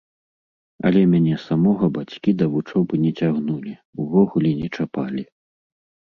Але мяне самога бацькі да вучобы не цягнулі, увогуле не чапалі.